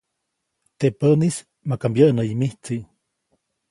Teʼ päʼnis maka mbyäʼnäyi mijtsi.